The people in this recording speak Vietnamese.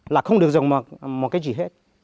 là không được dùng một cái gì hết